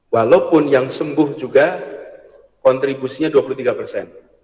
walaupun yang sembuh juga kontribusinya dua puluh tiga persen